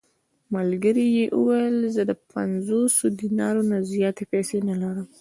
ملګري یې وویل: زه د پنځوسو دینارو نه زیاتې پېسې نه لرم.